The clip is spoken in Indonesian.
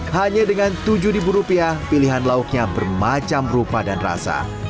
hanya dengan tujuh rupiah pilihan lauknya bermacam rupa dan rasa